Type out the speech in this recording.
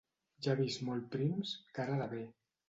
Llavis molt prims, cara de bé.